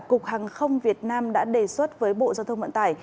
cục hàng không việt nam đã đề xuất với bộ giao thông vận tải